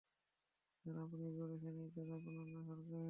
আর আপনিই বলছেন এই কাজ আপনার না সরকারের।